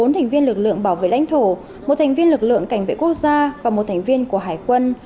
bốn thành viên lực lượng bảo vệ lãnh thổ một thành viên lực lượng cảnh vệ quốc gia và một thành viên của hải quân